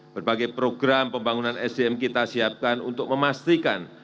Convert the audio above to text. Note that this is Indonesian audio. berbagai program pembangunan sdm kita siapkan untuk memastikan